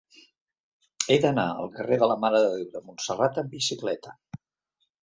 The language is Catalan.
He d'anar al carrer de la Mare de Déu de Montserrat amb bicicleta.